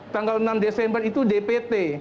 tanggal enam desember itu dpt